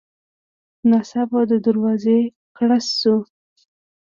ناڅاپه د دروازې ګړز شو.